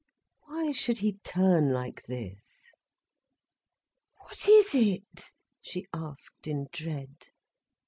Why should he turn like this? "What is it?" she asked in dread.